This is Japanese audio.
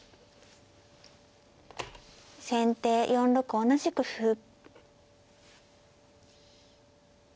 先手４六同じく歩。